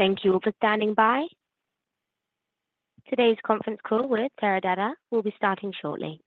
Thank you all for standing by. Today's conference call with Teradata will be starting shortly.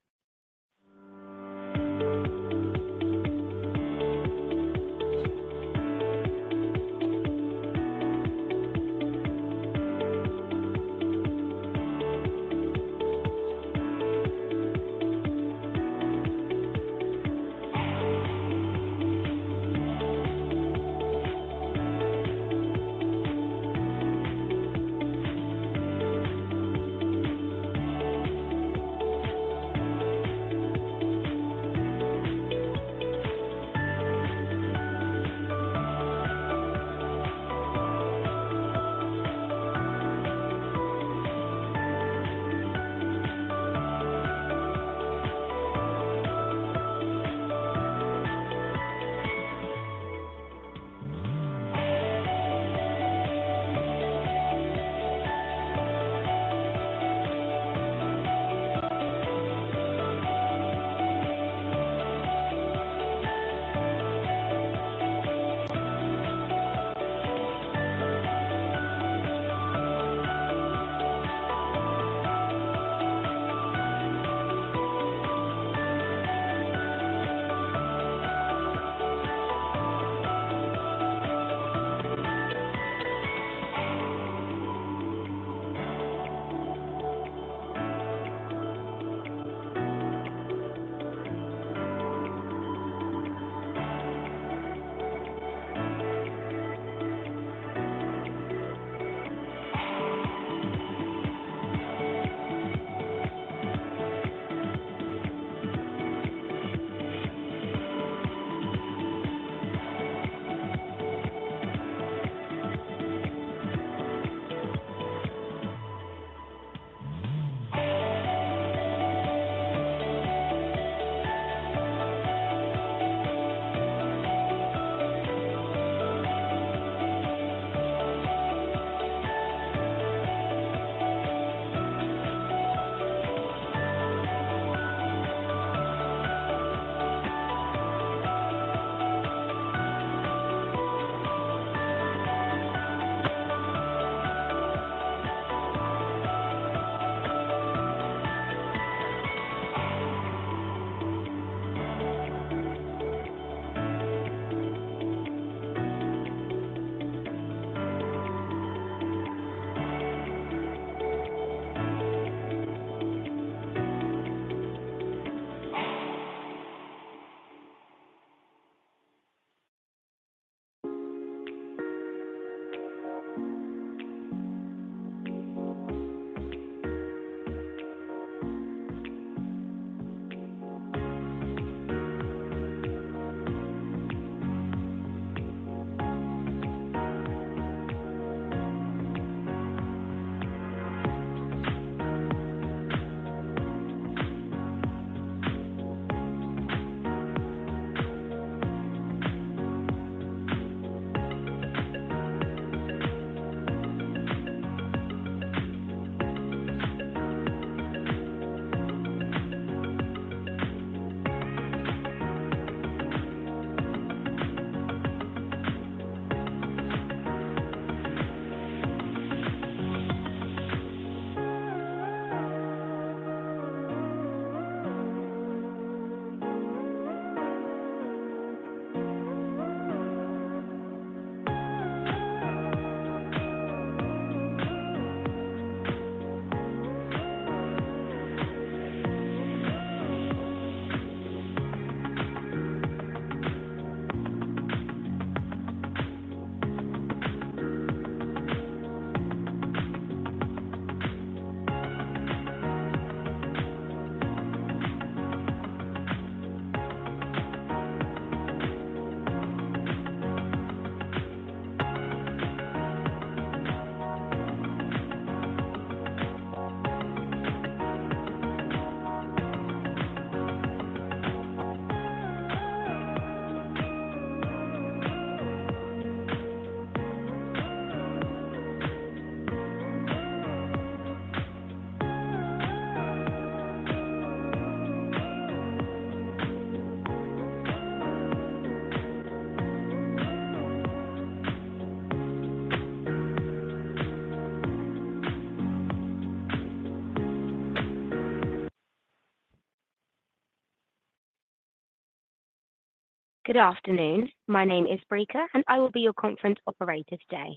Good afternoon. My name is Brika, and I will be your conference operator today.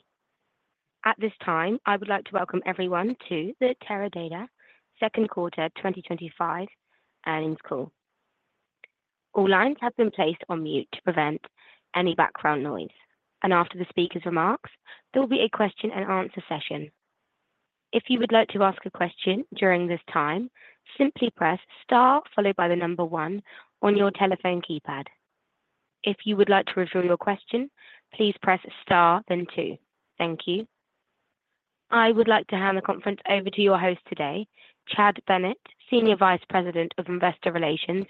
At this time, I would like to welcome everyone to the Teradata Second Quarter 2025 Earnings Call. All lines have been placed on mute to prevent any background noise, and after the speaker's remarks, there will be a question and answer session. If you would like to ask a question during this time, simply press star followed by the number one on your telephone keypad. If you would like to withdraw your question, please press star then two. Thank you. I would like to hand the conference over to your host today, Chad Bennett, Senior Vice President of Investor Relations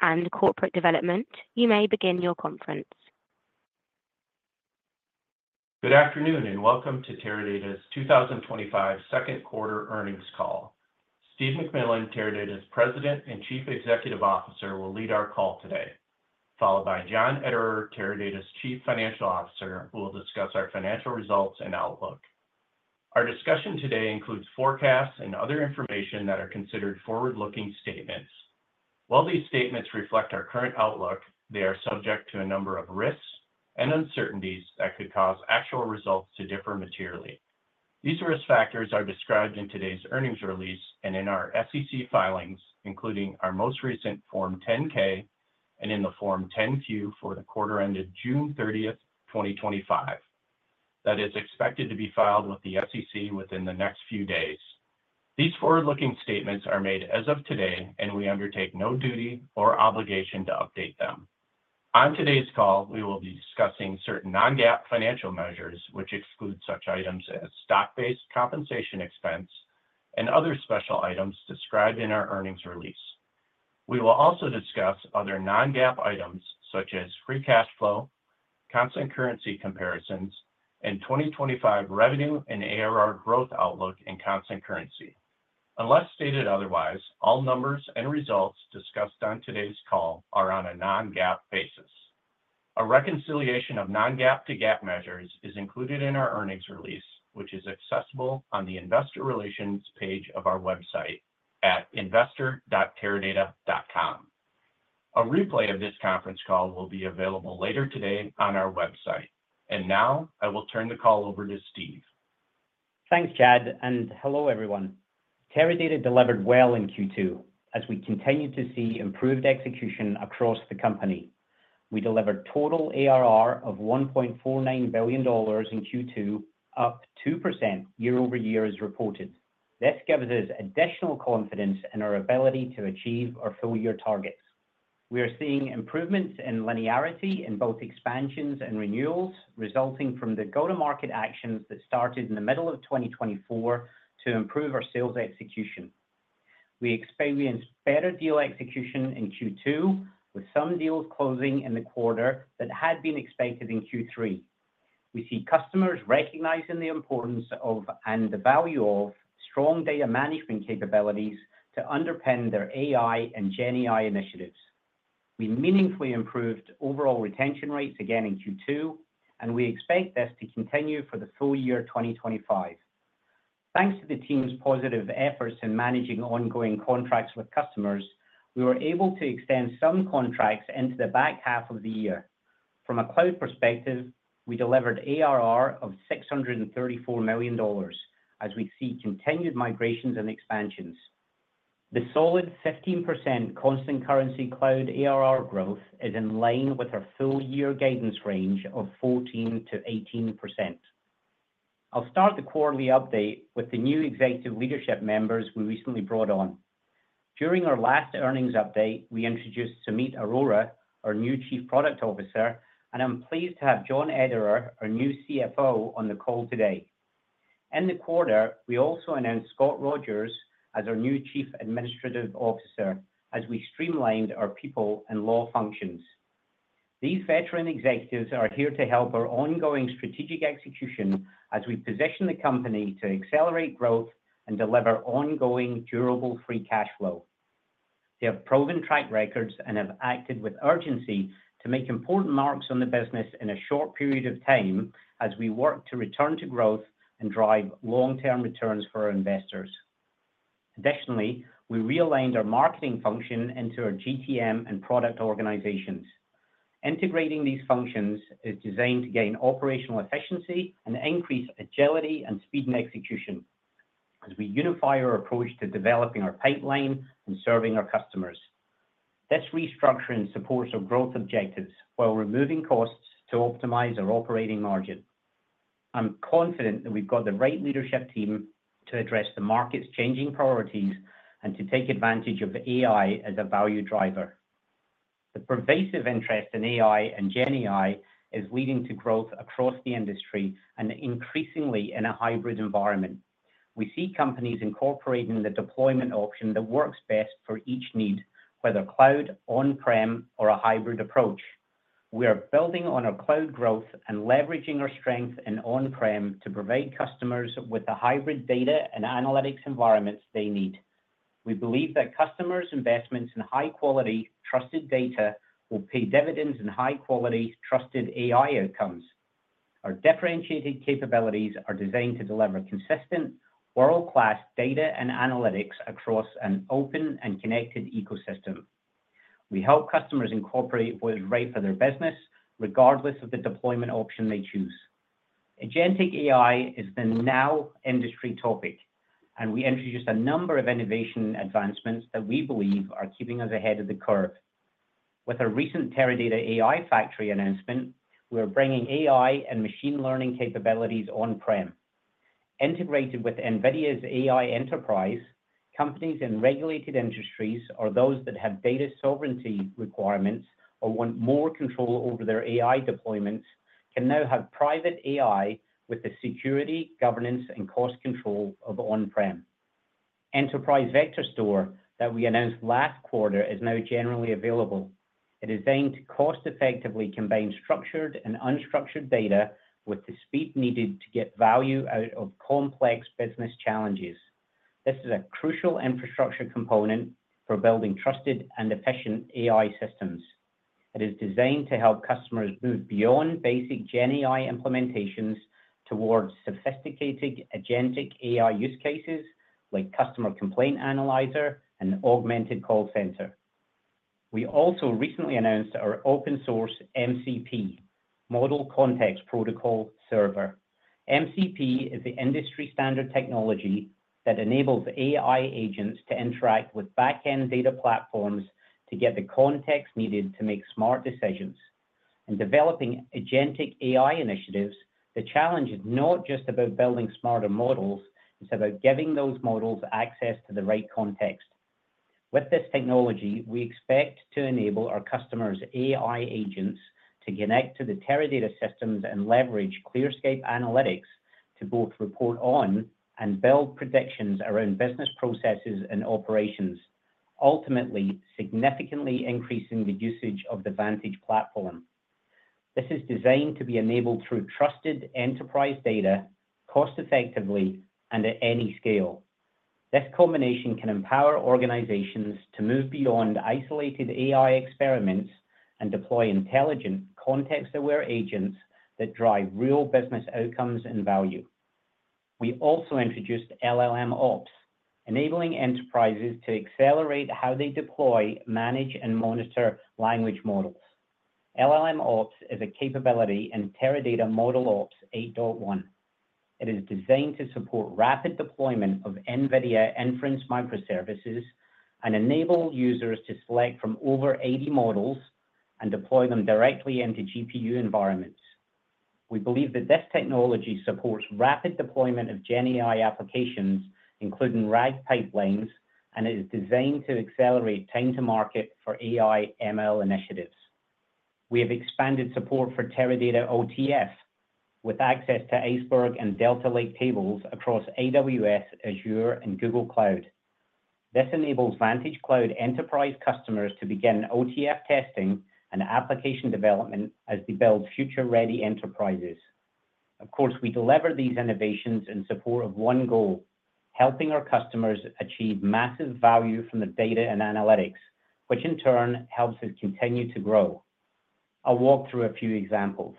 and Corporate Development. You may begin your conference. Good afternoon and welcome to Teradata's 2025 Second Quarter Carnings call. Steve McMillan, Teradata's President and Chief Executive Officer, will lead our call today, followed by John Ederer, Teradata's Chief Financial Officer, who will discuss our financial results and outlook. Our discussion today includes forecasts and other information that are considered forward-looking statements. While these statements reflect our current outlook, they are subject to a number of risks and uncertainties that could cause actual results to differ materially. These risk factors are described in today's earnings release and in our SEC filings, including our most recent Form 10-K and in the Form 10-Q for the quarter ended June 30, 2025, that is expected to be filed with the SEC within the next few days. These forward-looking statements are made as of today, and we undertake no duty or obligation to update them. On today's call, we will be discussing certain non-GAAP financial measures, which exclude such items as stock-based compensation expense and other special items described in our earnings release. We will also discuss other non-GAAP items such as free cash flow, constant currency comparisons, and 2025 revenue and ARR growth outlook in constant currency. Unless stated otherwise, all numbers and results discussed on today's call are on a non-GAAP basis. A reconciliation of non-GAAP to GAAP measures is included in our earnings release, which is accessible on the Investor Relations page of our website at investor.teradata.com. A replay of this conference call will be available later today on our website. I will turn the call over to Steve. Thanks, Chad, and hello everyone. Teradata delivered well in Q2 as we continue to see improved execution across the company. We delivered a total ARR of $1.49 billion in Q2, up 2% year-over-year as reported. This gives us additional confidence in our ability to achieve our full-year targets. We are seeing improvements in linearity in both expansions and renewals, resulting from the go-to-market actions that started in the middle of 2024 to improve our sales execution. We experienced better deal execution in Q2, with some deals closing in the quarter that had been expected in Q3. We see customers recognizing the importance of and the value of strong data management capabilities to underpin their AI and GenAI initiatives. We meaningfully improved overall retention rates again in Q2, and we expect this to continue for the full year 2025. Thanks to the team's positive efforts in managing ongoing contracts with customers, we were able to extend some contracts into the back half of the year. From a cloud perspective, we delivered ARR of $634 million as we see continued migrations and expansions. The solid 15% constant currency cloud ARR growth is in line with our full-year guidance range of 14%-18%. I'll start the quarterly update with the new executive leadership members we recently brought on. During our last earnings update, we introduced Sumeet Arora, our new Chief Product Officer, and I'm pleased to have John Ederer, our new CFO, on the call today. In the quarter, we also announced Scott Rogers as our new Chief Administrative Officer as we streamlined our people and law functions. These veteran executives are here to help our ongoing strategic execution as we position the company to accelerate growth and deliver ongoing durable free cash flow. They have proven track records and have acted with urgency to make important marks on the business in a short period of time as we work to return to growth and drive long-term returns for our investors. Additionally, we realigned our marketing function into our GTM and product organizations. Integrating these functions is designed to gain operational efficiency and increase agility and speed in execution as we unify our approach to developing our pipeline and serving our customers. This restructuring supports our growth objectives while removing costs to optimize our operating margin. I'm confident that we've got the right leadership team to address the market's changing priorities and to take advantage of AI as a value driver. The pervasive interest in AI and GenAI is leading to growth across the industry and increasingly in a hybrid environment. We see companies incorporating the deployment option that works best for each need, whether cloud, on-prem, or a hybrid approach. We are building on our cloud growth and leveraging our strength in on-prem to provide customers with the hybrid data and analytics environments they need. We believe that customers' investments in high-quality trusted data will pay dividends in high-quality trusted AI outcomes. Our differentiated capabilities are designed to deliver consistent, world-class data and analytics across an open and connected ecosystem. We help customers incorporate what is right for their business, regardless of the deployment option they choose. Agentic AI is the now industry topic, and we introduced a number of innovation advancements that we believe are keeping us ahead of the curve. With our recent Teradata AI Factory announcement, we are bringing AI and machine learning capabilities on-prem. Integrated with NVIDIA's AI Enterprise, companies in regulated industries or those that have data sovereignty requirements or want more control over their AI deployments can now have private AI with the security, governance, and cost control of on-prem. Enterprise Vector Store that we announced last quarter is now generally available. It is aimed to cost-effectively combine structured and unstructured data with the speed needed to get value out of complex business challenges. This is a crucial infrastructure component for building trusted and efficient AI systems. It is designed to help customers move beyond basic GenAI implementations towards sophisticated agentic AI use cases like customer complaint analyzer and augmented call center. We also recently announced our open-source MCP (Model Context Protocol) server. MCP is the industry-standard technology that enables AI agents to interact with backend data platforms to get the context needed to make smart decisions. In developing agentic AI initiatives, the challenge is not just about building smarter models; it's about giving those models access to the right context. With this technology, we expect to enable our customers' AI agents to connect to the Teradata systems and leverage ClearScape Analytics to both report on and build predictions around business processes and operations, ultimately significantly increasing the usage of the Vantage platform. This is designed to be enabled through trusted enterprise data cost-effectively and at any scale. This combination can empower organizations to move beyond isolated AI experiments and deploy intelligent context-aware agents that drive real business outcomes and value. We also introduced LLMOPs, enabling enterprises to accelerate how they deploy, manage, and monitor language models. LLMOPs is a capability in Teradata ModelOps 8.1. It is designed to support rapid deployment of NVIDIA inference micro-services and enable users to select from over 80 models and deploy them directly into GPU environments. We believe that this technology supports rapid deployment of GenAI applications, including RAG pipelines, and is designed to accelerate time to market for AI/ML initiatives. We have expanded support for Teradata OTF with access to Iceberg and Delta Lake tables across AWS, Azure, and Google Cloud. This enables VantageCloud Enterprise customers to begin OTF testing and application development as they build future-ready enterprises. Of course, we deliver these innovations in support of one goal: helping our customers achieve massive value from the data and analytics, which in turn helps us continue to grow. I'll walk through a few examples.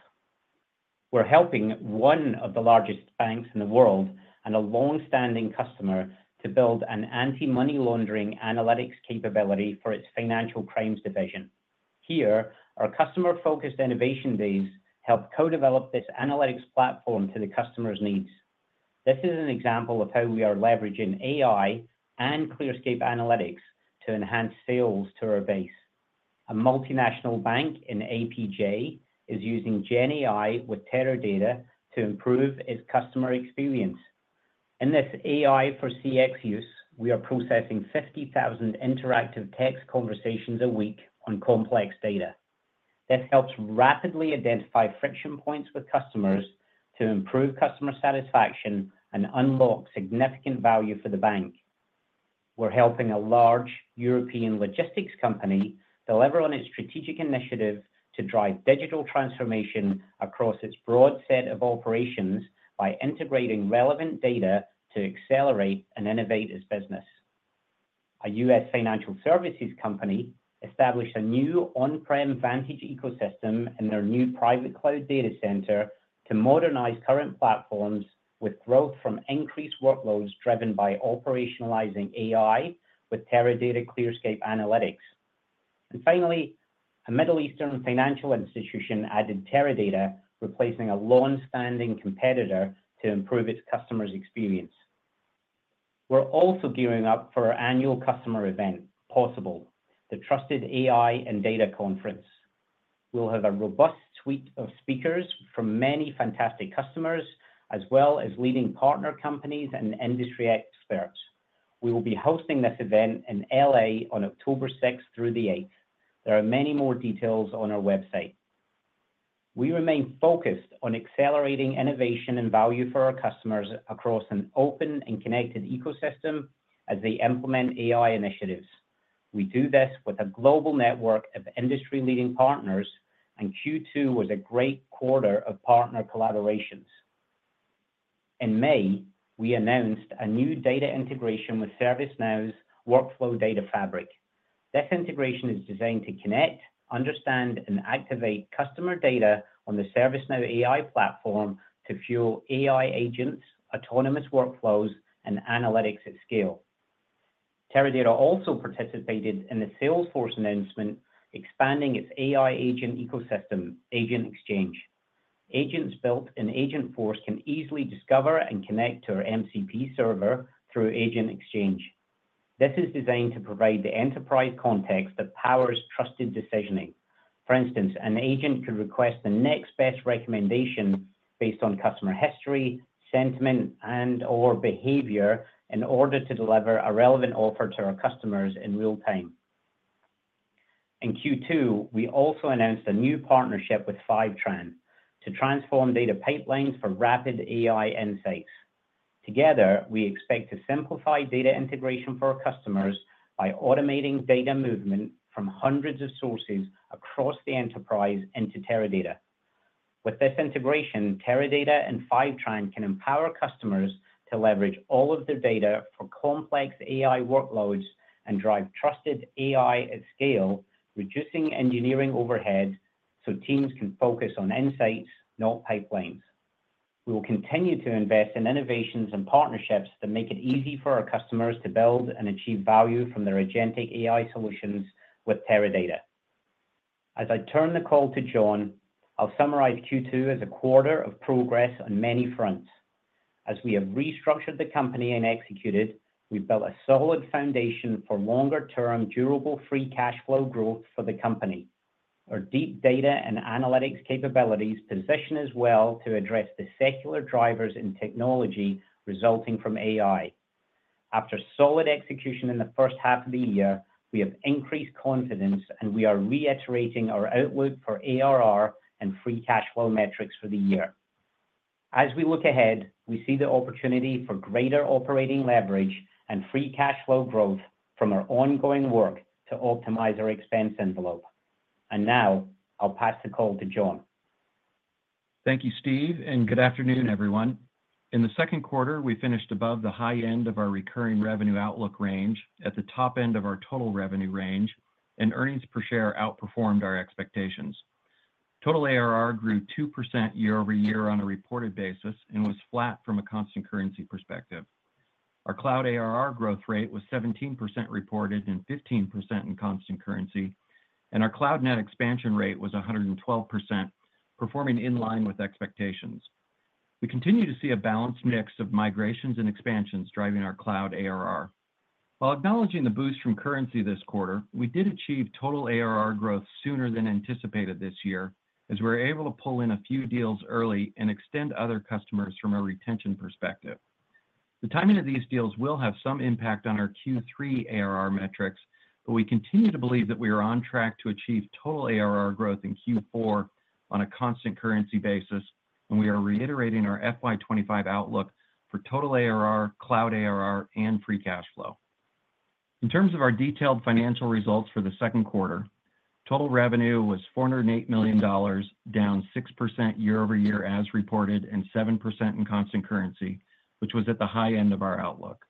We're helping one of the largest banks in the world and a longstanding customer to build an anti-money laundering analytics capability for its financial claims division. Here, our customer-focused innovation base helped co-develop this analytics platform to the customer's needs. This is an example of how we are leveraging AI and ClearScape analytics to enhance sales to our base. A multinational bank in APJ is using GenAI with Teradata to improve its customer experience. In this AI for CX use, we are processing 50,000 interactive text conversations a week on complex data. This helps rapidly identify friction points with customers to improve customer satisfaction and unlock significant value for the bank. We're helping a large European logistics company deliver on its strategic initiative to drive digital transformation across its broad set of operations by integrating relevant data to accelerate and innovate its business. A U.S. financial services company established a new on-premises Vantage ecosystem in their new private cloud data center to modernize current platforms with growth from increased workloads driven by operationalizing AI with Teradata ClearScape analytics. Finally, a Middle Eastern financial institution added Teradata, replacing a longstanding competitor to improve its customer's experience. We're also gearing up for our annual customer event, Possible: the trusted AI and data conference. We'll have a robust suite of speakers from many fantastic customers, as well as leading partner companies and industry experts. We will be hosting this event in LA on October 6 through 8. There are many more details on our website. We remain focused on accelerating innovation and value for our customers across an open and connected ecosystem as they implement AI initiatives. We do this with a global network of industry-leading partners, and Q2 was a great quarter of partner collaborations. In May, we announced a new data integration with ServiceNow's Workflow Data Fabric. This integration is designed to connect, understand, and activate customer data on the ServiceNow AI platform to fuel AI agents, autonomous workflows, and analytics at scale. Teradata also participated in the Salesforce announcement, expanding its AI agent ecosystem, AgentExchange. Agents built in AgentExchange can easily discover and connect to our MCP server through AgentExchange. This is designed to provide the enterprise context that powers trusted decisioning. For instance, an agent could request the next best recommendation based on customer history, sentiment, and/or behavior in order to deliver a relevant offer to our customers in real time. In Q2, we also announced a new partnership with Fivetran to transform data pipelines for rapid AI insights. Together, we expect to simplify data integration for our customers by automating data movement from hundreds of sources across the enterprise into Teradata. With this integration, Teradata and Fivetran can empower customers to leverage all of their data for complex AI workloads and drive trusted AI at scale, reducing engineering overhead so teams can focus on insights, not pipelines. We will continue to invest in innovations and partnerships that make it easy for our customers to build and achieve value from their agentic AI solutions with Teradata. As I turn the call to John, I'll summarize Q2 as a quarter of progress on many fronts. As we have restructured the company and executed, we built a solid foundation for longer-term durable free cash flow growth for the company. Our deep data and analytics capabilities position us well to address the secular drivers in technology resulting from AI. After solid execution in the first half of the year, we have increased confidence, and we are reiterating our outlook for ARR and free cash flow metrics for the year. As we look ahead, we see the opportunity for greater operating leverage and free cash flow growth from our ongoing work to optimize our expense envelope. I'll pass the call to John. Thank you, Steve, and good afternoon, everyone. In the second quarter, we finished above the high end of our recurring revenue outlook range, at the top end of our total revenue range, and earnings per share outperformed our expectations. Total ARR grew 2% year-over-year on a reported basis and was flat from a constant currency perspective. Our cloud ARR growth rate was 17% reported and 15% in constant currency, and our cloud net expansion rate was 112%, performing in line with expectations. We continue to see a balanced mix of migrations and expansions driving our cloud ARR. While acknowledging the boost from currency this quarter, we did achieve total ARR growth sooner than anticipated this year as we were able to pull in a few deals early and extend to other customers from a retention perspective. The timing of these deals will have some impact on our Q3 ARR metrics, but we continue to believe that we are on track to achieve total ARR growth in Q4 on a constant currency basis, and we are reiterating our FY 2025 outlook for total ARR, cloud ARR, and free cash flow. In terms of our detailed financial results for the second quarter, total revenue was $408 million, down 6% year-over-year as reported and 7% in constant currency, which was at the high end of our outlook.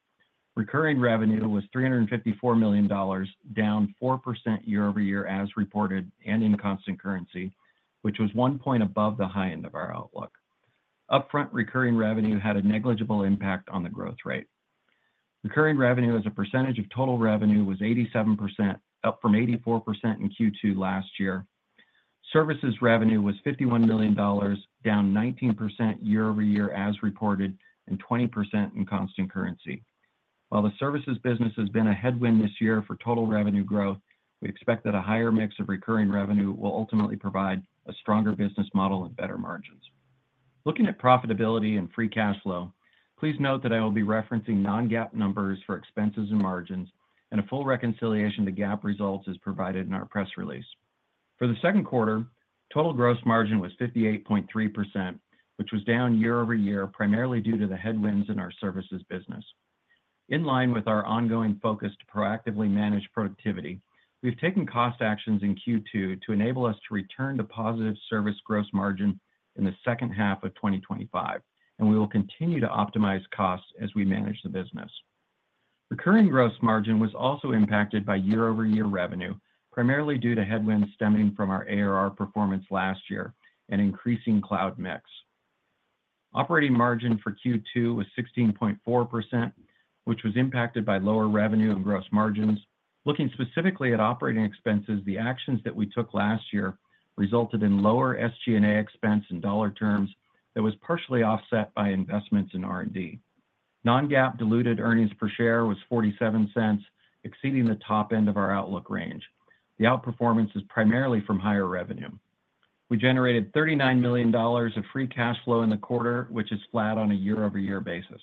Recurring revenue was $354 million, down 4% year-over-year as reported and in constant currency, which was one point above the high end of our outlook. Upfront recurring revenue had a negligible impact on the growth rate. Recurring revenue as a percentage of total revenue was 87%, up from 84% in Q2 last year. Services revenue was $51 million, down 19% year-over-year as reported and 20% in constant currency. While the services business has been a headwind this year for total revenue growth, we expect that a higher mix of recurring revenue will ultimately provide a stronger business model with better margins. Looking at profitability and free cash flow, please note that I will be referencing non-GAAP numbers for expenses and margins, and a full reconciliation of the GAAP results is provided in our press release. For the second quarter, total gross margin was 58.3%, which was down year-over-year, primarily due to the headwinds in our services business. In line with our ongoing focus to proactively manage productivity, we've taken cost actions in Q2 to enable us to return to positive service gross margin in the second half of 2025, and we will continue to optimize costs as we manage the business. Recurring gross margin was also impacted by year-over-year revenue, primarily due to headwinds stemming from our ARR performance last year and increasing cloud mix. Operating margin for Q2 was 16.4%, which was impacted by lower revenue and gross margins. Looking specifically at operating expenses, the actions that we took last year resulted in lower SG&A expense in dollar terms that was partially offset by investments in R&D. Non-GAAP diluted earnings per share was $0.47, exceeding the top end of our outlook range. The outperformance is primarily from higher revenue. We generated $39 million of free cash flow in the quarter, which is flat on a year-over-year basis.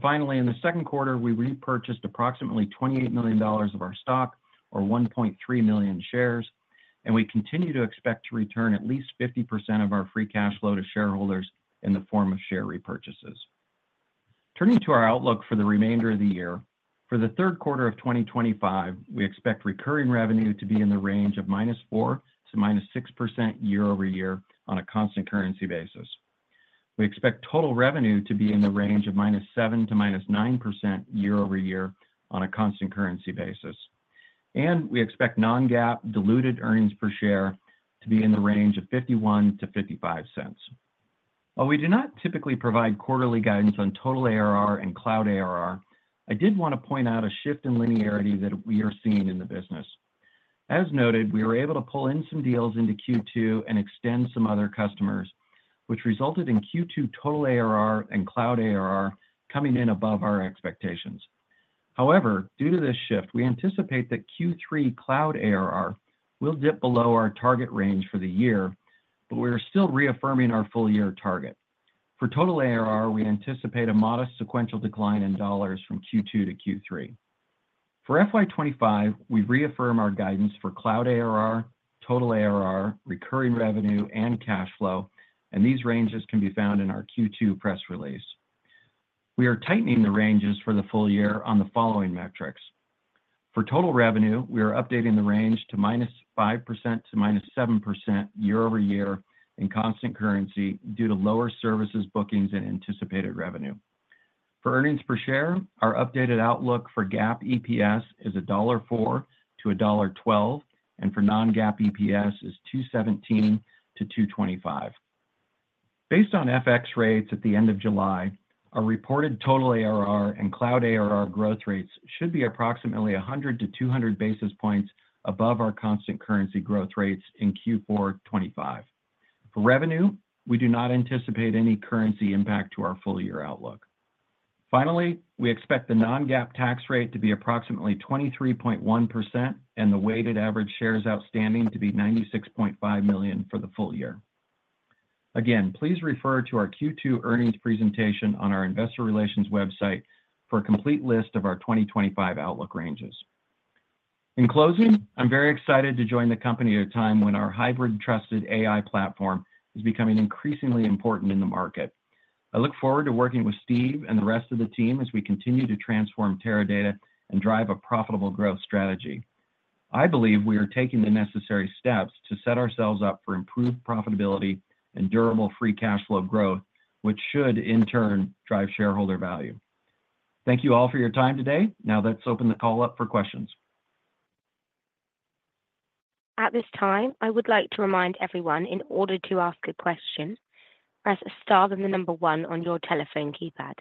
Finally, in the second quarter, we repurchased approximately $28 million of our stock, or 1.3 million shares, and we continue to expect to return at least 50% of our free cash flow to shareholders in the form of share repurchases. Turning to our outlook for the remainder of the year, for the third quarter of 2025, we expect recurring revenue to be in the range of -4% to -6% year-over-year on a constant currency basis. We expect total revenue to be in the range of -7% to -9% year-over-year on a constant currency basis. We expect non-GAAP diluted earnings per share to be in the range of $0.51-$0.55. While we do not typically provide quarterly guidance on total ARR and cloud ARR, I did want to point out a shift in linearity that we are seeing in the business. As noted, we were able to pull in some deals into Q2 and extend some other customers, which resulted in Q2 total ARR and cloud ARR coming in above our expectations. However, due to this shift, we anticipate that Q3 cloud ARR will dip below our target range for the year, but we are still reaffirming our full-year target. For total ARR, we anticipate a modest sequential decline in dollars from Q2-Q3. For FY 2025, we reaffirm our guidance for cloud ARR, total ARR, recurring revenue, and cash flow, and these ranges can be found in our Q2 press release. We are tightening the ranges for the full year on the following metrics. For total revenue, we are updating the range to -5% to -7% year-over-year in constant currency due to lower services bookings and anticipated revenue. For earnings per share, our updated outlook for GAAP EPS is $1.04-$1.12, and for non-GAAP EPS is $2.17-$2.25. Based on FX rates at the end of July, our reported total ARR and cloud ARR growth rates should be approximately 100-200 basis points above our constant currency growth rates in Q4 2025. For revenue, we do not anticipate any currency impact to our full-year outlook. Finally, we expect the non-GAAP tax rate to be approximately 23.1% and the weighted average shares outstanding to be $96.5 million for the full year. Again, please refer to our Q2 earnings presentation on our Investor Relations website for a complete list of our 2025 outlook ranges. In closing, I'm very excited to join the company at a time when our hybrid trusted AI platform is becoming increasingly important in the market. I look forward to working with Steve and the rest of the team as we continue to transform Teradata and drive a profitable growth strategy. I believe we are taking the necessary steps to set ourselves up for improved profitability and durable free cash flow growth, which should, in turn, drive shareholder value. Thank you all for your time today. Now, let's open the call up for questions. At this time, I would like to remind everyone, in order to ask a question, press star then the number one on your telephone keypad.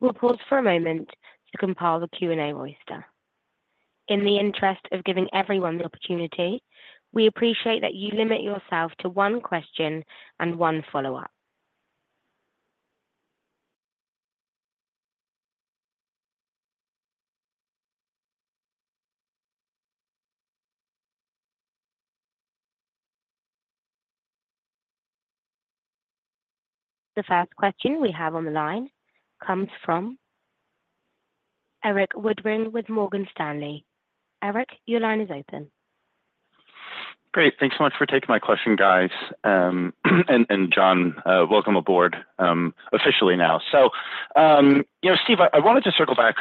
We'll pause for a moment to compile the Q&A voiced there. In the interest of giving everyone the opportunity, we appreciate that you limit yourself to one question and one follow-up. The first question we have on the line comes from Erik Woodring with Morgan Stanley. Erik, your line is open. Great. Thanks so much for taking my question, guys. John, welcome aboard officially now. Steve, I wanted to circle back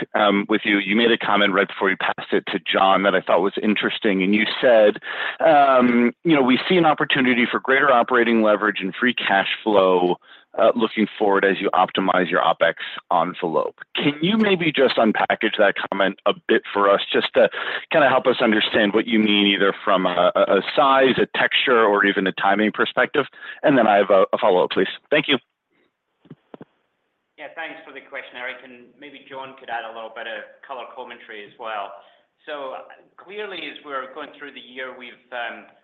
with you. You made a comment right before you passed it to John that I thought was interesting, and you said, you know, we see an opportunity for greater operating leverage and free cash flow looking forward as you optimize your OpEx envelope. Can you maybe just unpackage that comment a bit for us, just to kind of help us understand what you mean either from a size, a texture, or even a timing perspective? I have a follow-up, please. Thank you. Yeah, thanks for the question, Eric. Maybe John could add a little bit of color commentary as well. Clearly, as we're going through the year, we've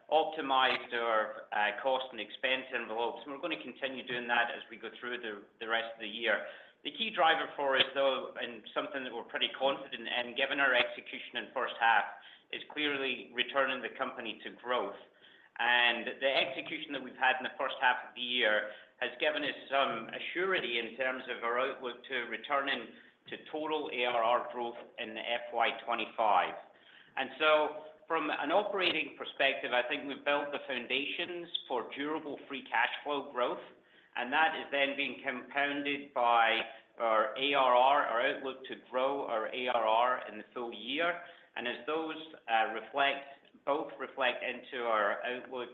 optimized our cost and expense envelopes, and we're going to continue doing that as we go through the rest of the year. The key driver for us, though, and something that we're pretty confident in given our execution in the first half, is clearly returning the company to growth. The execution that we've had in the first half of the year has given us some assurity in terms of our outlook to returning to total ARR growth in the fiscal year 2025. From an operating perspective, I think we've built the foundations for durable free cash flow growth, and that is then being compounded by our ARR, our outlook to grow our ARR in the full year. As those both reflect into our outlook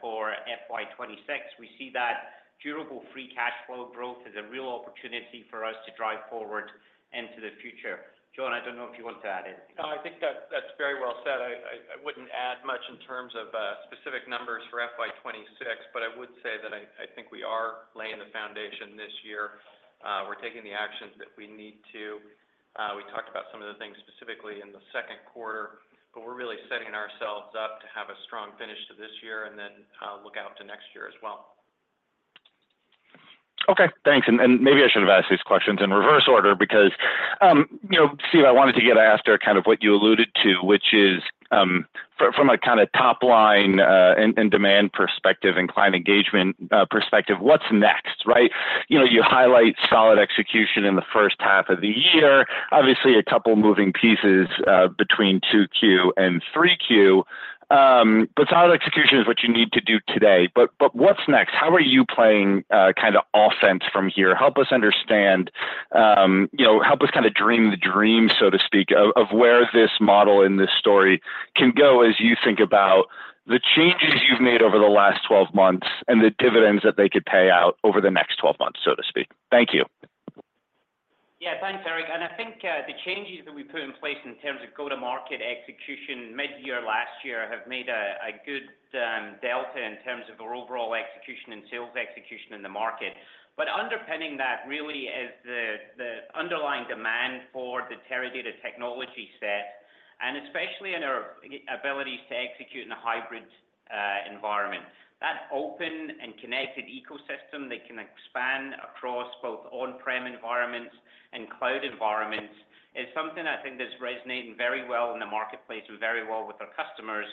for fiscal year 2026, we see that durable free cash flow growth is a real opportunity for us to drive forward into the future. John, I don't know if you want to add anything. No, I think that's very well said. I wouldn't add much in terms of specific numbers for FY 2026, but I would say that I think we are laying the foundation this year. We're taking the action that we need to. We talked about some of the things specifically in the second quarter, but we're really setting ourselves up to have a strong finish to this year and then look out to next year as well. Okay, thanks. Maybe I should have asked these questions in reverse order because, you know, Steve, I wanted to get after kind of what you alluded to, which is from a kind of top line and demand perspective and client engagement perspective, what's next, right? You highlight solid execution in the first half of the year, obviously a couple moving pieces between 2Q and 3Q, but solid execution is what you need to do today. What's next? How are you playing kind of offense from here? Help us understand, you know, help us kind of dream the dream, so to speak, of where this model in this story can go as you think about the changes you've made over the last 12 months and the dividends that they could pay out over the next 12 months, so to speak. Thank you. Yeah, thanks, Eric. I think the changes that we put in place in terms of go-to-market execution mid-year last year have made a good delta in terms of our overall execution and sales execution in the market. Underpinning that really is the underlying demand for the Teradata technology set, and especially in our abilities to execute in a hybrid environment. That open and connected ecosystem that can expand across both on-premises environments and cloud environments is something I think that's resonating very well in the marketplace and very well with our customers.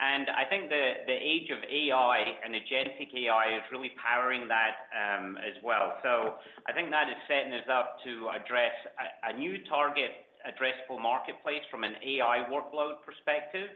I think the age of AI and agentic AI is really powering that as well. I think that is setting us up to address a new target addressable marketplace from an AI workload perspective.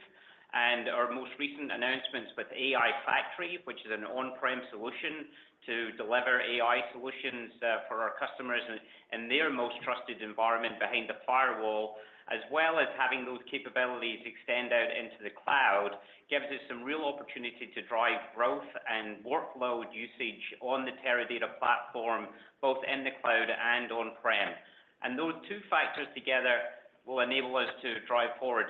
Our most recent announcements with AI Factory, which is an on-prem solution to deliver AI solutions for our customers in their most trusted environment behind the firewall, as well as having those capabilities extend out into the cloud, gives us some real opportunity to drive growth and workload usage on the Teradata platform, both in the cloud and on-premises. Those two factors together will enable us to drive forward.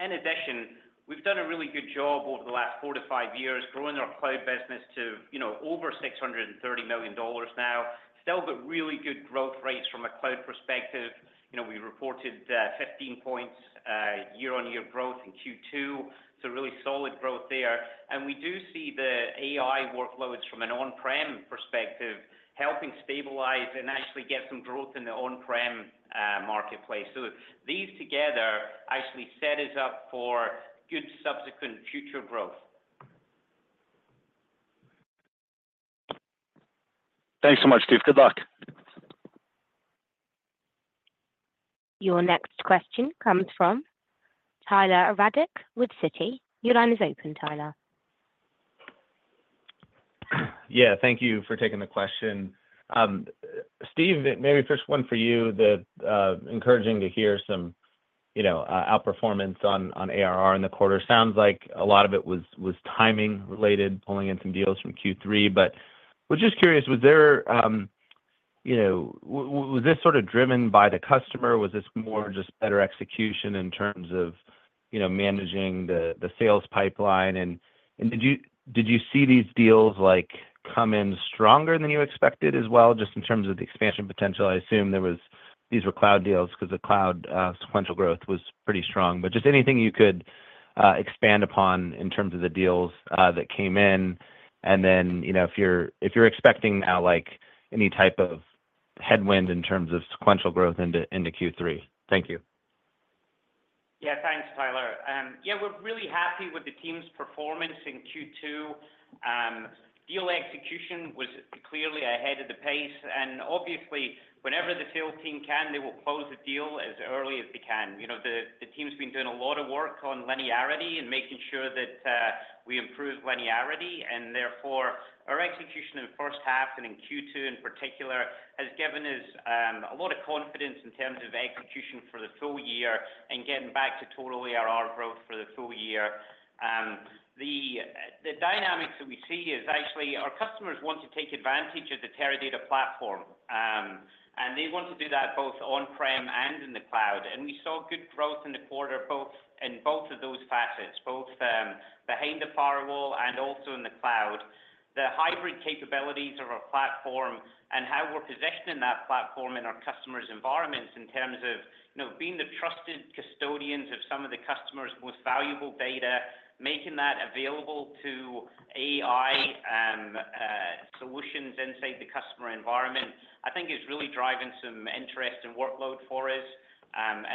In addition, we've done a really good job over the last four to five years growing our cloud business to over $630 million now. Still got really good growth rates from a cloud perspective. We reported 15% year-on-year growth in Q2. Really solid growth there. We do see the AI workloads from an on-premises perspective helping stabilize and actually get some growth in the on-premises marketplace. These together actually set us up for good subsequent future growth. Thanks so much, Steve. Good luck. Your next question comes from Tyler Radke with Citi. Your line is open, Tyler. Thank you for taking the question. Steve, maybe first one for you, encouraging to hear some outperformance on ARR in the quarter. Sounds like a lot of it was timing related, pulling in some deals from Q3. I was just curious, was this driven by the customer? Was this more just better execution in terms of managing the sales pipeline? Did you see these deals come in stronger than you expected as well, just in terms of the expansion potential? I assume these were cloud deals because the cloud sequential growth was pretty strong. Anything you could expand upon in terms of the deals that came in? Are you expecting now any type of headwind in terms of sequential growth into Q3? Thank you. Yeah, thanks, Tyler. We're really happy with the team's performance in Q2. Deal execution was clearly ahead of the pace. Obviously, whenever the sales team can, they will close a deal as early as they can. The team's been doing a lot of work on linearity and making sure that we improve linearity. Therefore, our execution in the first half and in Q2 in particular has given us a lot of confidence in terms of execution for the full year and getting back to total ARR growth for the full year. The dynamics that we see is actually our customers want to take advantage of the Teradata platform. They want to do that both on-prem and in the cloud. We saw good growth in the quarter in both of those facets, both behind the firewall and also in the cloud. The hybrid capabilities of our platform and how we're positioning that platform in our customers' environments in terms of being the trusted custodians of some of the customers' most valuable data, making that available to AI solutions inside the customer environment, I think is really driving some interest and workload for us.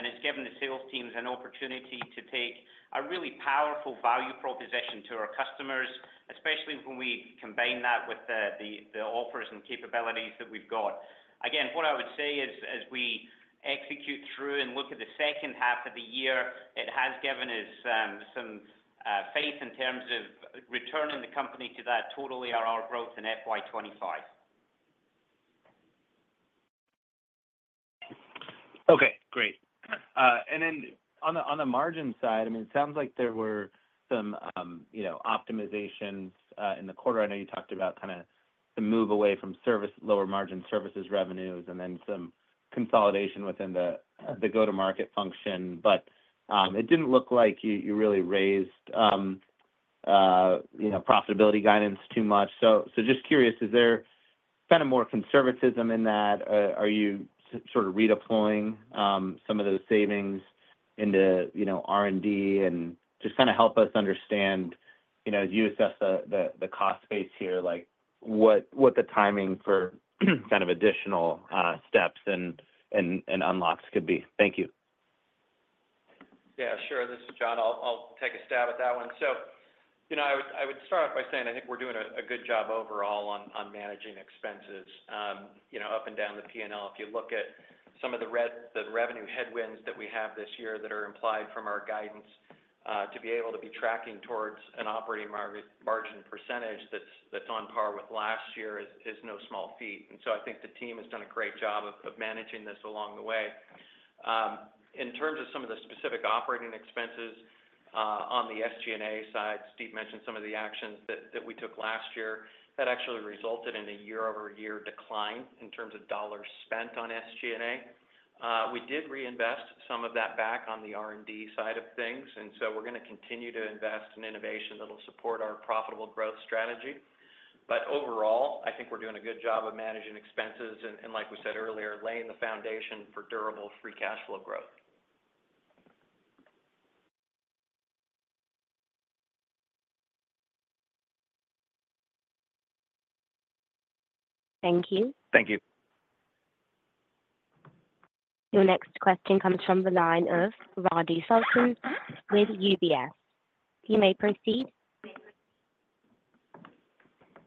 It's given the sales teams an opportunity to take a really powerful value proposition to our customers, especially when we combine that with the offers and capabilities that we've got. What I would say is as we execute through and look at the second half of the year, it has given us some faith in terms of returning the company to that total ARR growth in FY 2025. Okay, great. Then on the margin side, it sounds like there were some optimizations in the quarter. I know you talked about the move away from service, lower margin services revenues, and then some consolidation within the go-to-market function. It didn't look like you really raised profitability guidance too much. Just curious, is there more conservatism in that? Are you sort of redeploying some of those savings into R&D and just help us understand, as you assess the cost space here, what the timing for additional steps and unlocks could be? Thank you. Yeah. Sure. This is John. I'll take a stab at that one. I would start off by saying I think we're doing a good job overall on managing expenses up and down the P&L. If you look at some of the revenue headwinds that we have this year that are implied from our guidance, to be able to be tracking towards an operating margin percentage that's on par with last year is no small feat. I think the team has done a great job of managing this along the way. In terms of some of the specific operating expenses on the SG&A side, Steve mentioned some of the actions that we took last year that actually resulted in a year-over-year decline in terms of dollars spent on SG&A. We did reinvest some of that back on the R&D side of things. We're going to continue to invest in innovation that will support our profitable growth strategy. Overall, I think we're doing a good job of managing expenses and, like we said earlier, laying the foundation for durable free cash flow growth. Thank you. Thank you. Your next question comes from the line of Radi Sultan with UBS. You may proceed.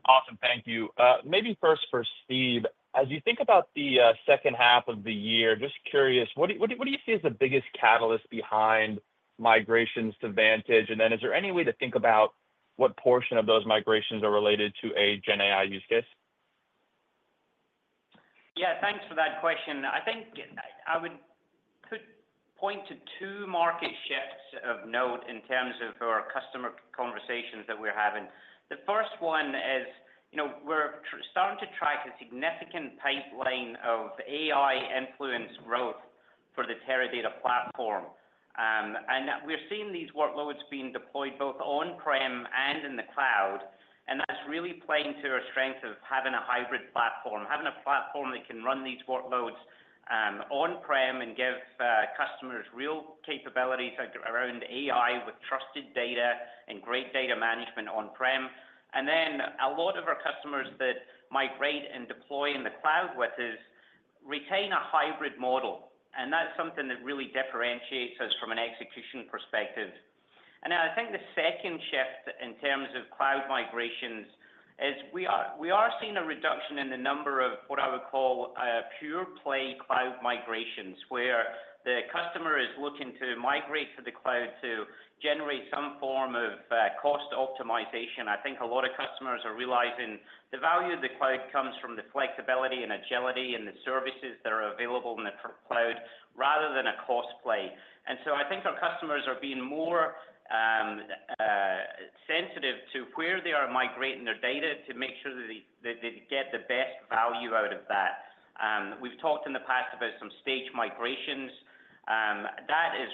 Awesome. Thank you. Maybe first for Steve, as you think about the second half of the year, just curious, what do you see as the biggest catalyst behind migrations to Vantage? Is there any way to think about what portion of those migrations are related to a GenAI use case? Yeah, thanks for that question. I think I would point to two market shifts of note in terms of our customer conversations that we're having. The first one is, you know, we're starting to track a significant pipeline of AI influence growth for the Teradata platform. We're seeing these workloads being deployed both on-prem and in the cloud. That's really playing to our strength of having a hybrid platform, having a platform that can run these workloads on-prem and give customers real capabilities around AI with trusted data and great data management on-prem. A lot of our customers that migrate and deploy in the cloud with us retain a hybrid model. That's something that really differentiates us from an execution perspective. I think the second shift in terms of cloud migrations is we are seeing a reduction in the number of what I would call pure play cloud migrations where the customer is looking to migrate to the cloud to generate some form of cost optimization. I think a lot of customers are realizing the value of the cloud comes from the flexibility and agility and the services that are available in the cloud rather than a cost play. I think our customers are being more sensitive to where they are migrating their data to make sure that they get the best value out of that. We've talked in the past about some stage migrations. That is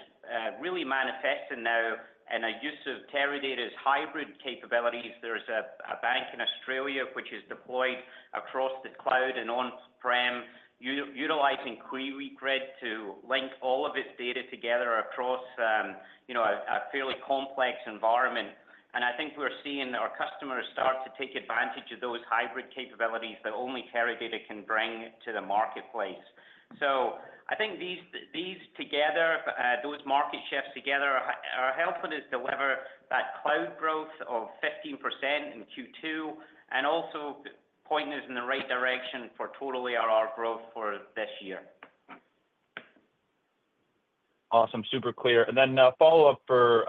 really manifesting now in our use of Teradata's hybrid capabilities. There's a bank in Australia which is deployed across the cloud and on-prem utilizing QueryGrid to link all of its data together across, you know, a fairly complex environment. I think we're seeing our customers start to take advantage of those hybrid capabilities that only Teradata can bring to the marketplace. I think these together, those market shifts together are helping us deliver that cloud growth of 15% in Q2 and also pointing us in the right direction for total ARR growth for this year. Awesome. Super clear. A follow-up for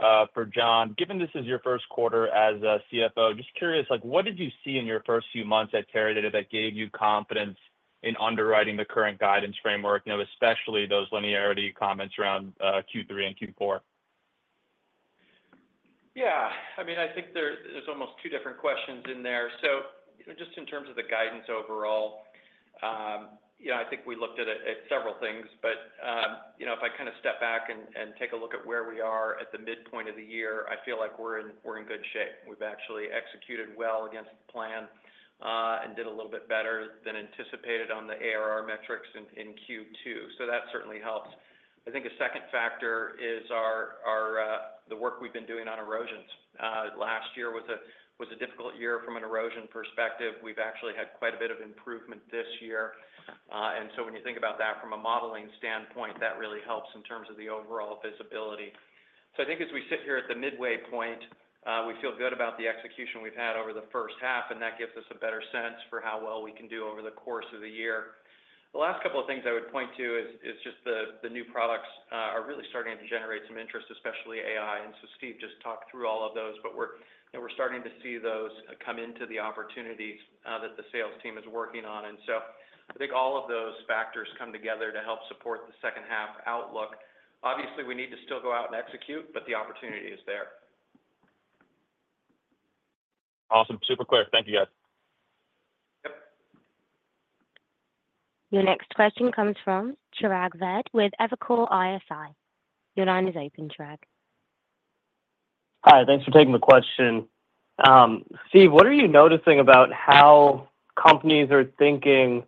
John. Given this is your first quarter as CFO, just curious, what did you see in your first few months at Teradata that gave you confidence in underwriting the current guidance framework, especially those linearity comments around Q3 and Q4? Yeah, I mean, I think there's almost two different questions in there. Just in terms of the guidance overall, I think we looked at several things, but if I kind of step back and take a look at where we are at the midpoint of the year, I feel like we're in good shape. We've actually executed well against the plan and did a little bit better than anticipated on the ARR metrics in Q2. That certainly helps. I think a second factor is the work we've been doing on erosions. Last year was a difficult year from an erosion perspective. We've actually had quite a bit of improvement this year, and when you think about that from a modeling standpoint, that really helps in terms of the overall visibility. I think as we sit here at the midway point, we feel good about the execution we've had over the first half, and that gives us a better sense for how well we can do over the course of the year. The last couple of things I would point to is just the new products are really starting to generate some interest, especially AI. Steve just talked through all of those, but we're starting to see those come into the opportunities that the sales team is working on. I think all of those factors come together to help support the second half outlook. Obviously, we need to still go out and execute, but the opportunity is there. Awesome. Super clear. Thank you, guys. Your next question comes from Chirag Ved with Evercore ISI. Your line is open, Chirag. Hi, thanks for taking the question. Steve, what are you noticing about how companies are thinking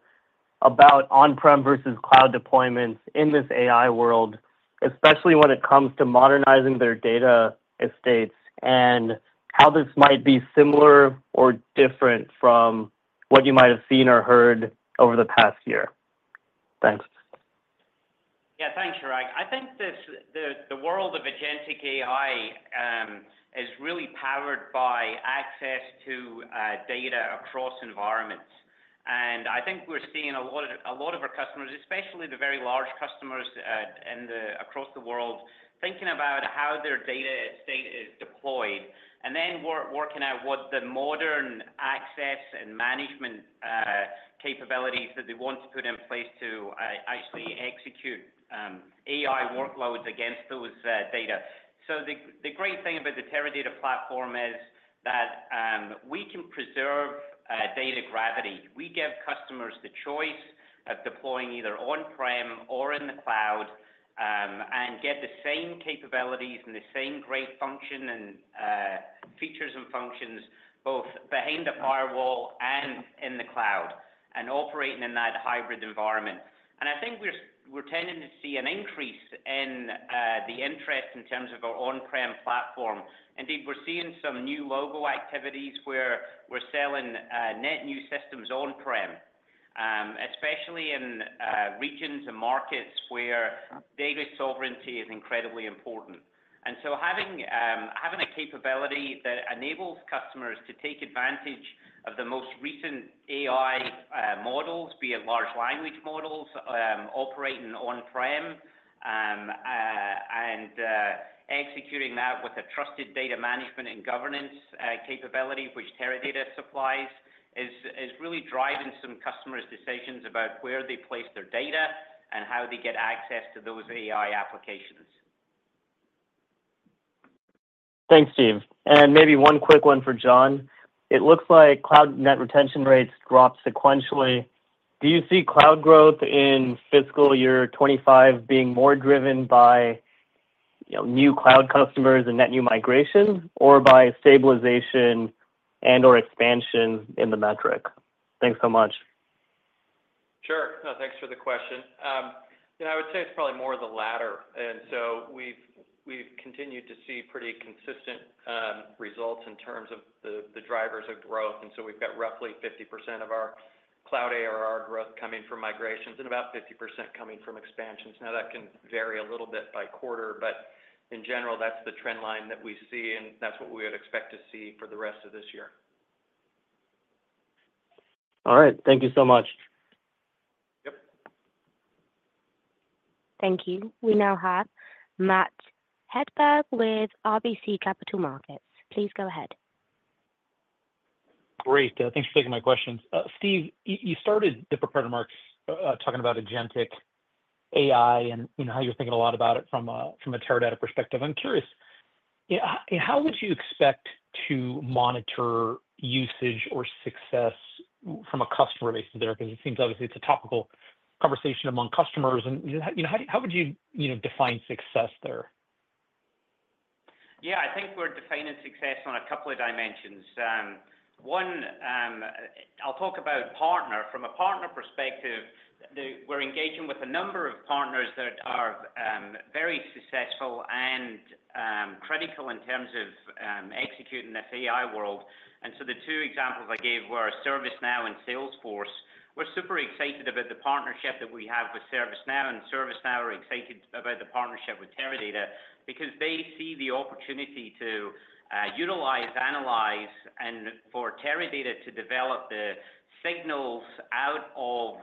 about on-premises versus cloud deployments in this AI world, especially when it comes to modernizing their data estates, and how this might be similar or different from what you might have seen or heard over the past year? Thanks. Yeah, thanks, Chirag. I think the world of agentic AI is really powered by access to data across environments. I think we're seeing a lot of our customers, especially the very large customers across the world, thinking about how their data estate is deployed and then working out what the modern access and management capabilities that they want to put in place to actually execute AI workloads against those data. The great thing about the Teradata platform is that we can preserve data gravity. We give customers the choice of deploying either on-prem or in the cloud and get the same capabilities and the same great function and features and functions both behind the firewall and in the cloud, operating in that hybrid environment. I think we're tending to see an increase in the interest in terms of our on-prem platform. Indeed, we're seeing some new logo activities where we're selling net new systems on-prem, especially in regions and markets where data sovereignty is incredibly important. Having a capability that enables customers to take advantage of the most recent AI models, be it large language models, operating on-prem and executing that with a trusted data management and governance capability, which Teradata supplies, is really driving some customers' decisions about where they place their data and how they get access to those AI applications. Thanks, Steve. Maybe one quick one for John. It looks like cloud net retention rates drop sequentially. Do you see cloud growth in fiscal year 2025 being more driven by new cloud customers and net new migration or by stabilization and/or expansion in the metric? Thanks so much. Sure. No, thanks for the question. I would say it's probably more of the latter. We've continued to see pretty consistent results in terms of the drivers of growth. We've got roughly 50% of our cloud ARR growth coming from migrations and about 50% coming from expansions. That can vary a little bit by quarter, but in general, that's the trend line that we see, and that's what we would expect to see for the rest of this year. All right. Thank you so much. Thank you. We now have Matt Hedberg with RBC Capital Markets. Please go ahead. Great. Thanks for taking my questions. Steve, you started the prepared remark talking about agentic AI and how you're thinking a lot about it from a Teradata perspective. I'm curious how would you expect to monitor usage or success from a customer basis there? It seems obviously it's a topical conversation among customers. How would you define success there? Yeah, I think we're defining success on a couple of dimensions. One, I'll talk about partner. From a partner perspective, we're engaging with a number of partners that are very successful and critical in terms of executing this AI world. The two examples I gave were ServiceNow and Salesforce. We're super excited about the partnership that we have with ServiceNow, and ServiceNow are excited about the partnership with Teradata because they see the opportunity to utilize, analyze, and for Teradata to develop the signals out of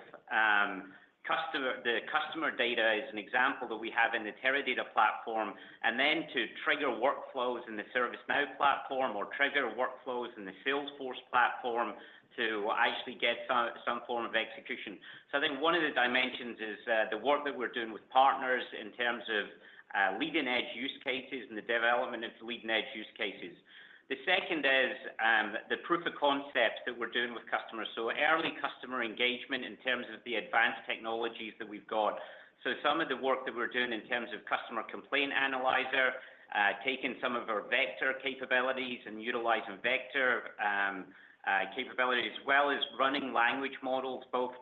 the customer data is an example that we have in the Teradata platform, and then to trigger workflows in the ServiceNow platform or trigger workflows in the Salesforce platform to actually get some form of execution. I think one of the dimensions is the work that we're doing with partners in terms of leading-edge use cases and the development of the leading-edge use cases. The second is the proof of concept that we're doing with customers. Early customer engagement in terms of the advanced technologies that we've got. Some of the work that we're doing in terms of customer complaint analyzer, taking some of our vector capabilities and utilizing vector capabilities as well as running language models both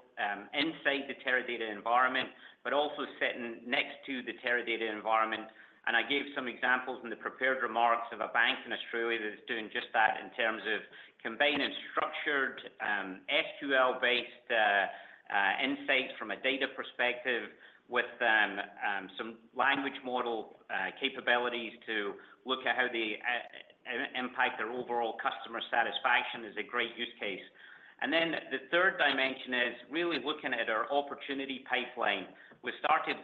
inside the Teradata environment, but also sitting next to the Teradata environment. I gave some examples in the prepared remarks of a bank in Australia that's doing just that in terms of combining structured SQL-based insights from a data perspective with some language model capabilities to look at how they impact their overall customer satisfaction is a great use case. The third dimension is really looking at our opportunity pipeline. We started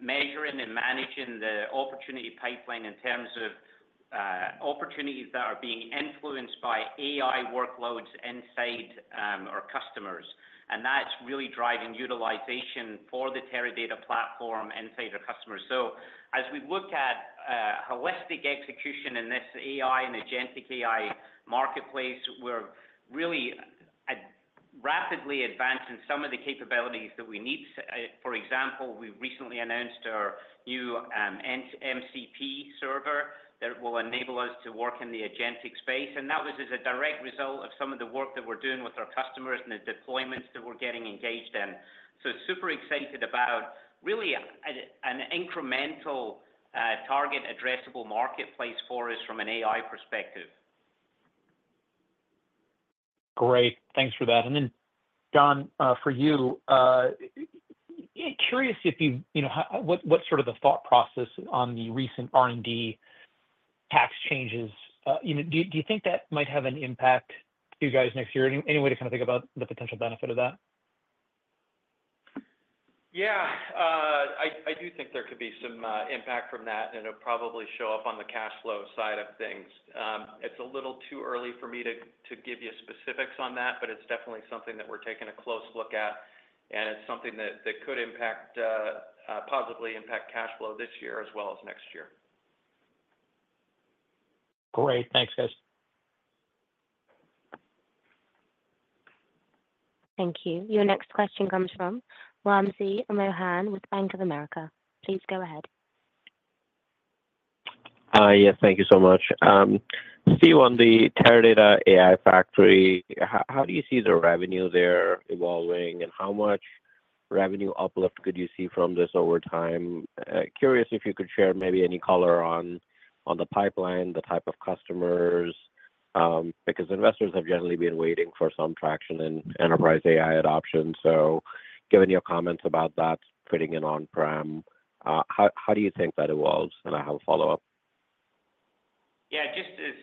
measuring and managing the opportunity pipeline in terms of opportunities that are being influenced by AI workloads inside our customers. That's really driving utilization for the Teradata platform inside our customers. As we look at holistic execution in this AI and agentic AI marketplace, we're really rapidly advancing some of the capabilities that we need. For example, we recently announced our new MCP server that will enable us to work in the agentic space. That was as a direct result of some of the work that we're doing with our customers and the deployments that we're getting engaged in. Super excited about really an incremental target addressable marketplace for us from an AI perspective. Great, thanks for that. John, for you, curious if you, you know, what sort of the thought process on the recent R&D tax changes, you know, do you think that might have an impact for you guys next year? Any way to kind of think about the potential benefit of that? I do think there could be some impact from that, and it'll probably show up on the cash flow side of things. It's a little too early for me to give you specifics on that, but it's definitely something that we're taking a close look at, and it's something that could impact, positively impact cash flow this year as well as next year. Great. Thanks, guys. Thank you. Your next question comes from Wamsi Mohan with Bank of America. Please go ahead. Hi. Thank you so much. Steve, on the Teradata AI Factory, how do you see the revenue there evolving, and how much revenue uplift could you see from this over time? Curious if you could share maybe any color on the pipeline, the type of customers, because investors have generally been waiting for some traction in enterprise AI adoption. Given your comments about that fitting in on-prem, how do you think that evolves? I have a follow-up. Yeah, just as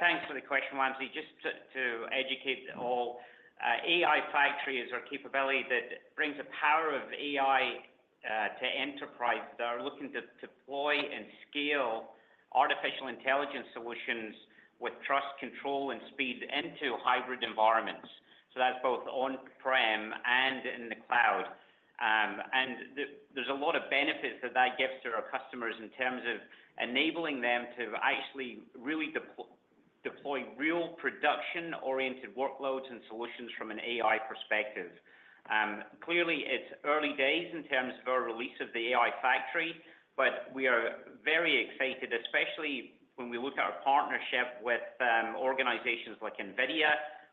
thanks for the question, Wamsi. Just to educate all, AI Factory is our capability that brings the power of AI to enterprise. They're looking to deploy and scale artificial intelligence solutions with trust, control, and speed into hybrid environments. That's both on-prem and in the cloud. There are a lot of benefits that that gives to our customers in terms of enabling them to actually really deploy real production-oriented workloads and solutions from an AI perspective. Clearly, it's early days in terms of our release of the AI Factory, but we are very excited, especially when we look at our partnership with organizations like NVIDIA,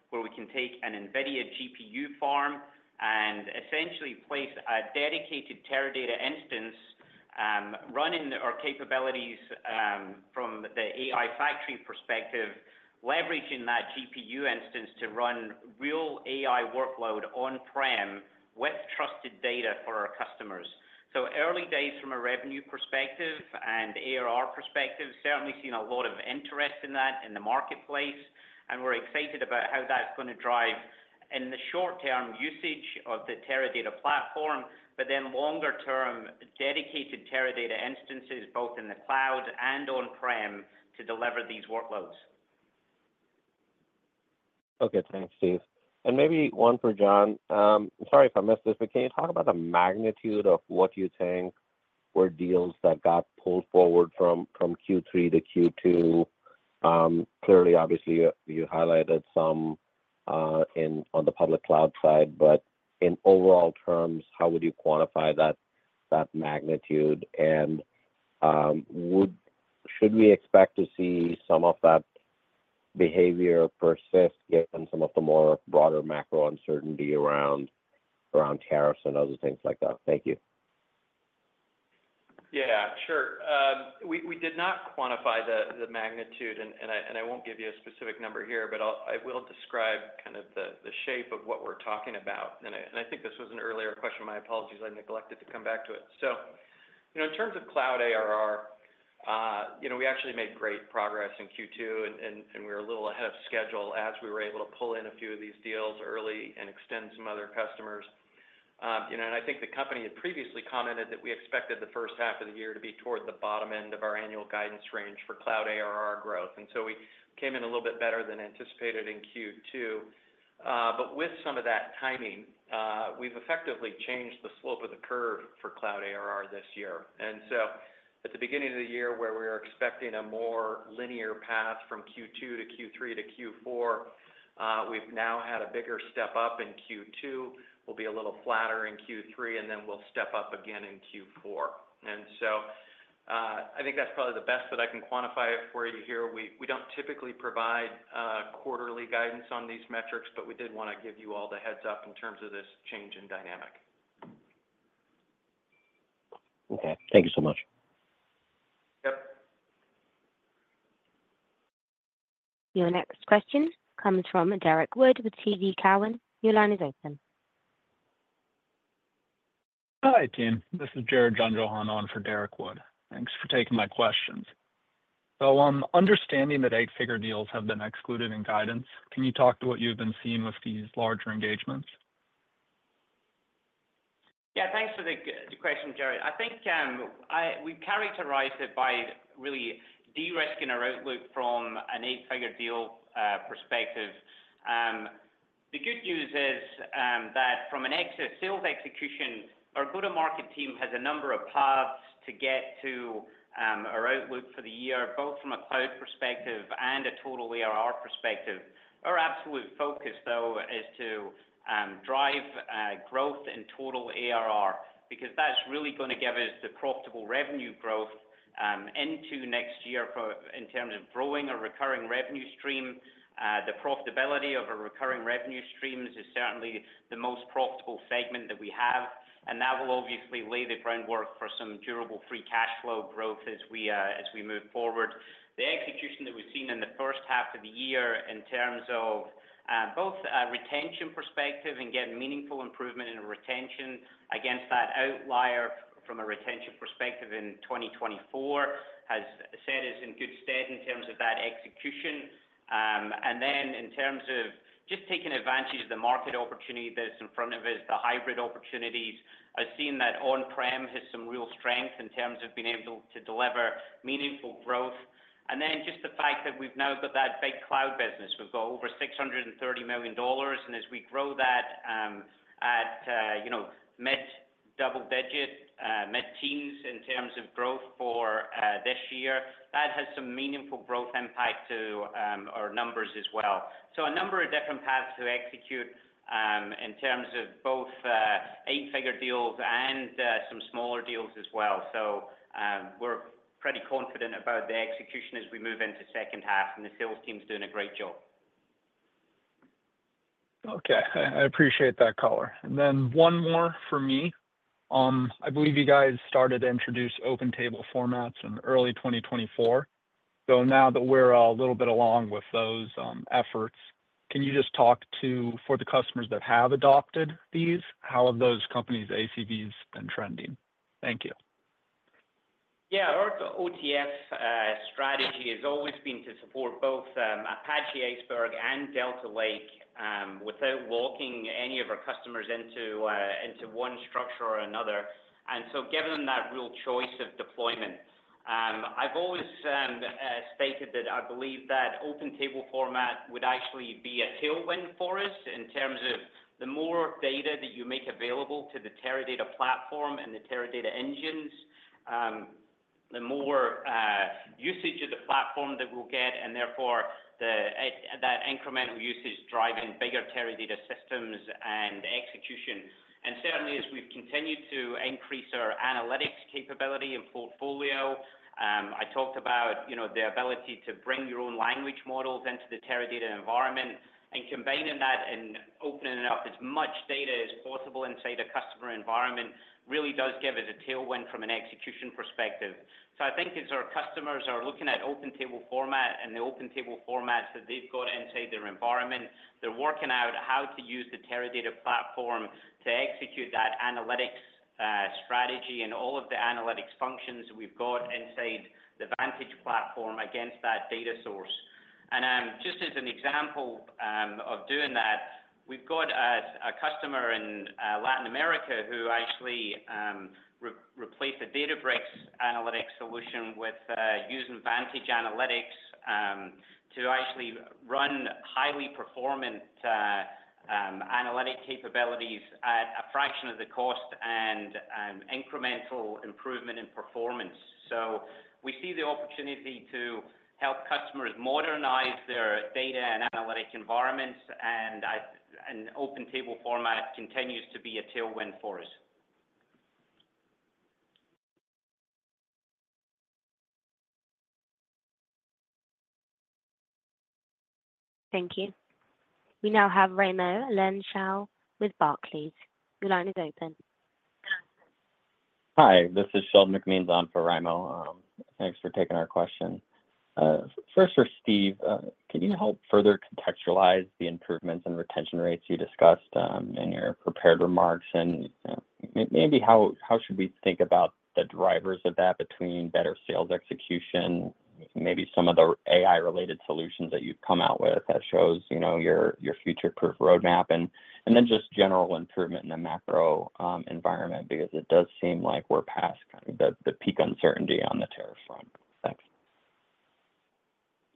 where we can take an NVIDIA GPU farm and essentially place a dedicated Teradata instance running our capabilities from the AI Factory perspective, leveraging that GPU instance to run real AI workload on-prem with trusted data for our customers. Early days from a revenue perspective and ARR perspective, certainly seeing a lot of interest in that in the marketplace. We're excited about how that's going to drive in the short term usage of the Teradata platform, but then longer term dedicated Teradata instances both in the cloud and on-prem to deliver these workloads. Okay, thanks, Steve. Maybe one for John. Sorry if I missed this, but can you talk about the magnitude of what you think were deals that got pulled forward from Q3 to Q2? Clearly, obviously, you highlighted some on the public cloud side, but in overall terms, how would you quantify that magnitude? Should we expect to see some of that behavior persist given some of the more broader macro-uncertainty around tariffs and other things like that? Thank you. Yeah, sure. We did not quantify the magnitude, and I won't give you a specific number here, but I will describe kind of the shape of what we're talking about. I think this was an earlier question. My apologies, I neglected to come back to it. In terms of cloud ARR, we actually made great progress in Q2, and we were a little ahead of schedule as we were able to pull in a few of these deals early and extend some other customers. I think the company had previously commented that we expected the first half of the year to be toward the bottom end of our annual guidance range for cloud ARR growth. We came in a little bit better than anticipated in Q2. With some of that timing, we've effectively changed the slope of the curve for cloud ARR this year. At the beginning of the year where we were expecting a more linear path from Q2-Q3-Q4, we've now had a bigger step up in Q2. We'll be a little flatter in Q3, and then we'll step up again in Q4. I think that's probably the best that I can quantify it for you here. We don't typically provide quarterly guidance on these metrics, but we did want to give you all the heads up in terms of this change in dynamic. Okay, thank you so much. Your next question comes from Derrick Wood with TD Cowen. Your line is open. Hi, team. This is Jared Jungjohann on for Derrick Wood. Thanks for taking my questions. I'm understanding that eight-figure deals have been excluded in guidance. Can you talk to what you've been seeing with these larger engagements? Yeah, thanks for the question, Jared. I think we characterize it by really de-risking our outlook from an eight-figure deal perspective. The good news is that from an exit sales execution, our go-to-market team has a number of paths to get to our outlook for the year, both from a cloud perspective and a total ARR perspective. Our absolute focus, though, is to drive growth in total ARR because that's really going to give us the profitable revenue growth into next year in terms of growing a recurring revenue stream. The profitability of a recurring revenue stream is certainly the most profitable segment that we have, and that will obviously lay the groundwork for some durable free cash flow growth as we move forward. The execution that we've seen in the first half of the year in terms of both a retention perspective and getting meaningful improvement in retention against that outlier from a retention perspective in 2024, as I said, is in good stead in terms of that execution. In terms of just taking advantage of the market opportunity that's in front of us, the hybrid opportunities, I've seen that on-prem has some real strength in terms of being able to deliver meaningful growth. The fact that we've now got that big cloud business, we've got over $630 million, and as we grow that at, you know, mid-double digit, mid-teens in terms of growth for this year, that has some meaningful growth impact to our numbers as well. A number of different paths to execute in terms of both eight-figure deals and some smaller deals as well. We're pretty confident about the execution as we move into the second half, and the sales team's doing a great job. Okay, I appreciate that color. One more for me. I believe you guys started to introduce open table formats in early 2024. Now that we're a little bit along with those efforts, can you just talk to, for the customers that have adopted these, how have those companies' ACVs been trending? Thank you. Yeah, our OTF strategy has always been to support both Apache Iceberg and Delta Lake without locking any of our customers into one structure or another, giving them that real choice of deployment. I've always stated that I believe that Open Table format would actually be a tailwind for us in terms of the more data that you make available to the Teradata platform and the Teradata engines, the more usage of the platform that we'll get, and therefore that incremental usage driving bigger Teradata systems and execution. Certainly, as we've continued to increase our analytics capability and portfolio, I talked about the ability to bring your own language models into the Teradata environment and combining that and opening up as much data as possible inside a customer environment really does give us a tailwind from an execution perspective. I think as our customers are looking at Open Table format and the Open Table formats that they've got inside their environment, they're working out how to use the Teradata platform to execute that analytics strategy and all of the analytics functions that we've got inside the Vantage platform against that data source. Just as an example of doing that, we've got a customer in Latin America who actually replaced the Databricks analytics solution with using Vantage analytics to actually run highly performant analytic capabilities at a fraction of the cost and incremental improvement in performance. We see the opportunity to help customers modernize their data and analytic environments, and Open Table format continues to be a tailwind for us. Thank you. We now have Raimo Lenschow with Barclays. Your line is open. Hi, this is Sheldon McMeans on for Raimo. Thanks for taking our question. First, for Steve, can you help further contextualize the improvements in retention rates you discussed in your prepared remarks? Maybe how should we think about the drivers of that between better sales execution, maybe some of the AI-related solutions that you've come out with that shows your future-proof roadmap, and just general improvement in the macro environment because it does seem like we're past kind of the peak uncertainty on the tariff front.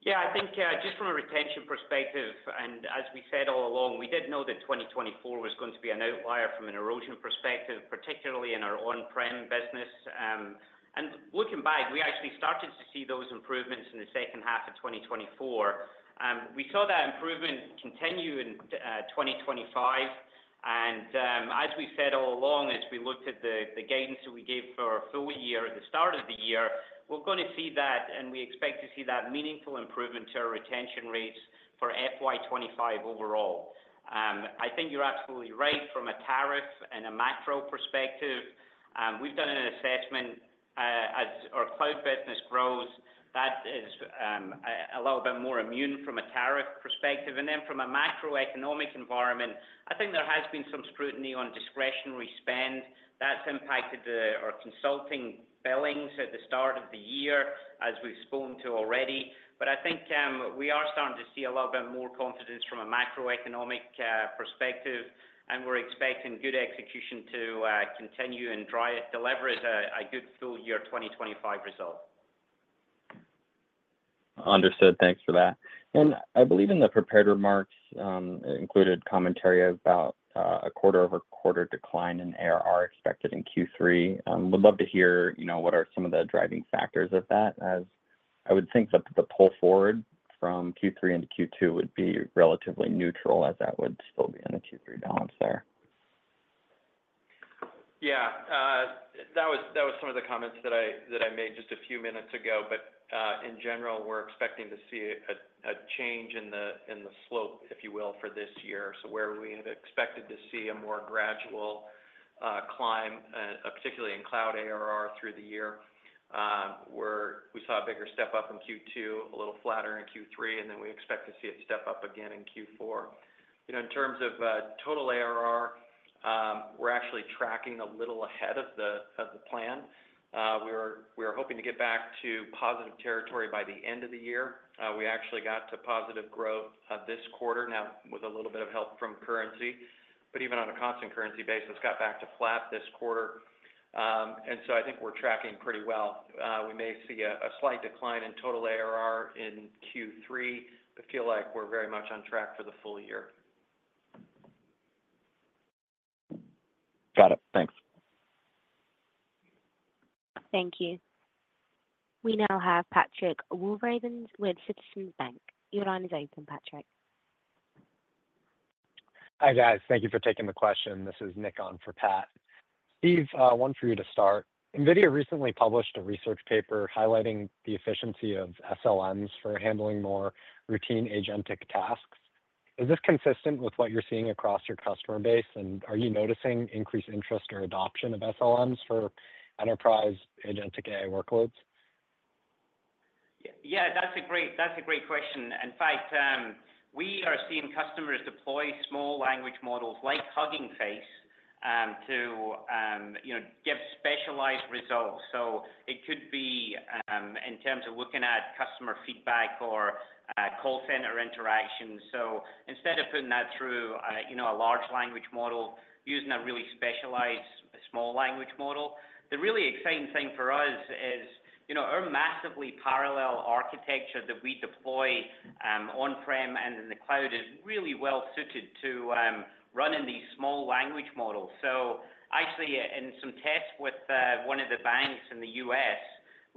Yeah, I think just from a retention perspective, as we said all along, we did know that 2024 was going to be an outlier from an erosion perspective, particularly in our on-premises business. Looking back, we actually started to see those improvements in the second half of 2024. We saw that improvement continue in 2025. As we said all along, as we looked at the guidance that we gave for our full year at the start of the year, we're going to see that, and we expect to see that meaningful improvement to our retention rates for FY 2025 overall. I think you're absolutely right from a tariff and a macro-perspective. We've done an assessment as our cloud business grows, that is a little bit more immune from a tariff perspective. From a macro-economic environment, I think there has been some scrutiny on discretionary spend that's impacted our consulting billings at the start of the year, as we've spoken to already. I think we are starting to see a little bit more confidence from a macro-economic perspective, and we're expecting good execution to continue and deliver a good full year 2025 result. Understood. Thanks for that. I believe in the prepared remarks, it included commentary about a quarter-over-quarter decline in ARR expected in Q3. We'd love to hear what are some of the driving factors of that, as I would think that the pull forward from Q3 into Q2 would be relatively neutral as that would still be in the Q3 balance there. Yeah, that was some of the comments that I made just a few minutes ago. In general, we're expecting to see a change in the slope, if you will, for this year. Where we had expected to see a more gradual climb, particularly in cloud ARR through the year, we saw a bigger step up in Q2, a little flatter in Q3, and then we expect to see it step up again in Q4. In terms of total ARR, we're actually tracking a little ahead of the plan. We were hoping to get back to positive territory by the end of the year. We actually got to positive growth this quarter, now with a little bit of help from currency, but even on a constant currency basis, got back to flat this quarter. I think we're tracking pretty well. We may see a slight decline in total ARR in Q3, but feel like we're very much on track for the full year. Got it. Thanks. Thank you. We now have Pat Walravens with Citizens Bank. Your line is open, Pat. Hi, guys. Thank you for taking the question. This is Nick on for Pat. Steve, one for you to start. NVIDIA recently published a research paper highlighting the efficiency of SLMs for handling more routine agentic tasks. Is this consistent with what you're seeing across your customer base, and are you noticing increased interest or adoption of SLMs for enterprise agentic AI workloads? Yeah, that's a great question. In fact, we are seeing customers deploy small language models like Hugging Face to, you know, give specialized results. It could be in terms of looking at customer feedback or call center interactions. Instead of putting that through a large language model, using a really specialized small language model, the really exciting thing for us is our massively parallel architecture that we deploy on-prem and in the cloud is really well suited to running these small language models. In some tests with one of the banks in the U.S.,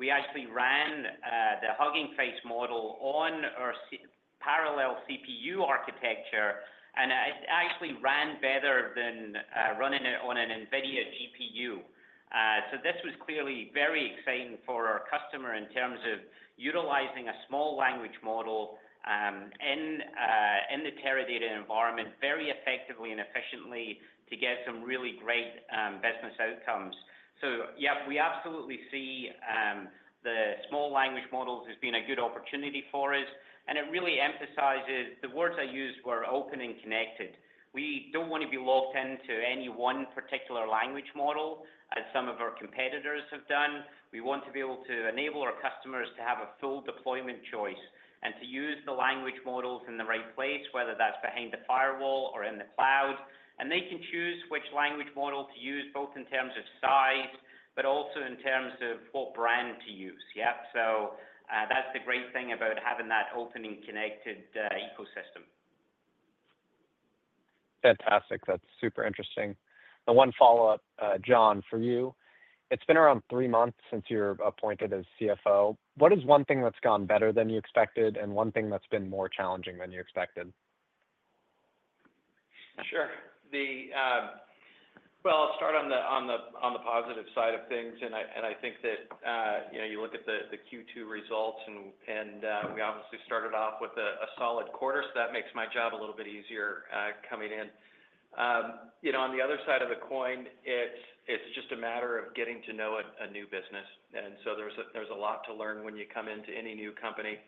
we actually ran the Hugging Face model on our parallel CPU architecture, and it actually ran better than running it on an NVIDIA GPU. This was clearly very exciting for our customer in terms of utilizing a small language model in the Teradata environment very effectively and efficiently to get some really great business outcomes. We absolutely see the small language models as being a good opportunity for us, and it really emphasizes the words I used were open and connected. We don't want to be locked into any one particular language model as some of our competitors have done. We want to be able to enable our customers to have a full deployment choice and to use the language models in the right place, whether that's behind the firewall or in the cloud. They can choose which language model to use both in terms of size, but also in terms of what brand to use. That's the great thing about having that open and connected ecosystem. Fantastic. That's super interesting. One follow-up, John, for you. It's been around three months since you were appointed as CFO. What is one thing that's gone better than you expected and one thing that's been more challenging than you expected? Sure. I'll start on the positive side of things. I think that, you know, you look at the Q2 results, and we obviously started off with a solid quarter, so that makes my job a little bit easier coming in. On the other side of the coin, it's just a matter of getting to know a new business. There's a lot to learn when you come into any new company.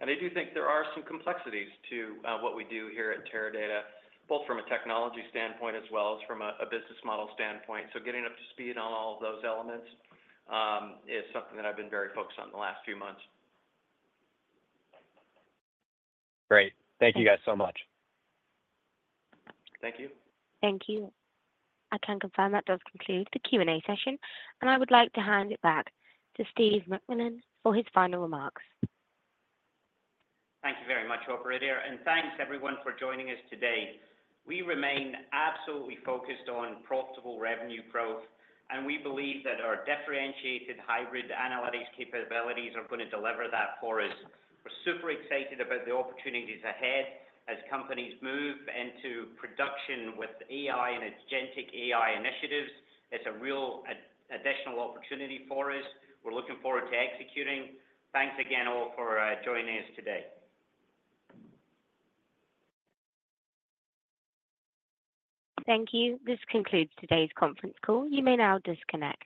I do think there are some complexities to what we do here at Teradata, both from a technology standpoint as well as from a business model standpoint. Getting up to speed on all of those elements. Something that I've been very focused on in the last few months. Great. Thank you guys so much. Thank you. Thank you. I can confirm that does conclude the Q&A session, and I would like to hand it back to Steve McMillan for his final remarks. Thank you very much, operator, and thanks everyone for joining us today. We remain absolutely focused on profitable revenue growth, and we believe that our differentiated hybrid analytics capabilities are going to deliver that for us. We're super excited about the opportunities ahead as companies move into production with AI and agentic AI initiatives. It's a real additional opportunity for us. We're looking forward to executing. Thanks again all for joining us today. Thank you. This concludes today's conference call. You may now disconnect.